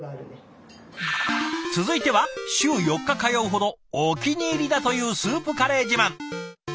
続いては週４日通うほどお気に入りだというスープカレー自慢。